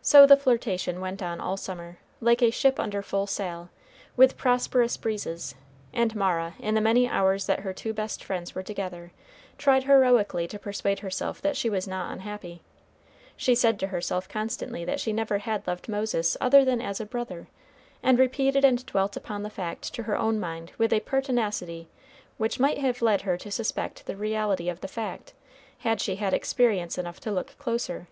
So the flirtation went on all summer, like a ship under full sail, with prosperous breezes; and Mara, in the many hours that her two best friends were together, tried heroically to persuade herself that she was not unhappy. She said to herself constantly that she never had loved Moses other than as a brother, and repeated and dwelt upon the fact to her own mind with a pertinacity which might have led her to suspect the reality of the fact, had she had experience enough to look closer.